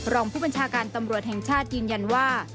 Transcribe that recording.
รองผู้บัญชาการตำรวจแห่งชาติยืนยันว่า